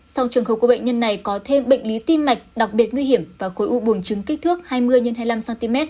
sau trường khẩu của bệnh nhân này có thêm bệnh lý tim mạch đặc biệt nguy hiểm và khối u buồng trứng kích thước hai mươi x hai mươi năm cm